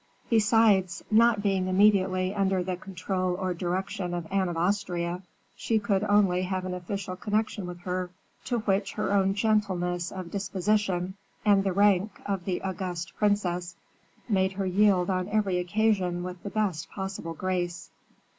Besides, not being immediately under the control or direction of Anne of Austria, she could only have an official connection with her, to which her own gentleness of disposition, and the rank of the august princess, made her yield on every occasion with the best possible grace.